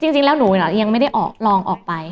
จริงแล้วหนูยังไม่ได้ออกลองออกไป